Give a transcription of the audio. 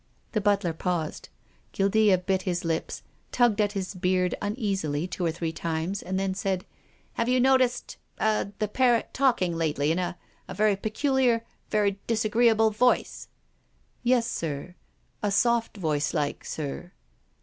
The butler paused. Guildea bit his lips, tugged at his beard uneasily two or three times, and then said, "Have you noticed — cr — the parrot talking lately in a — a very peculiar, very disagreeable voice r " Yes, sir — a soft voice like, sir."